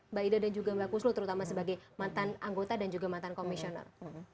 mbak ida dan juga mbak kuslo terutama sebagai mantan anggota dan juga mantan komisioner